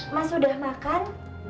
mas udah makan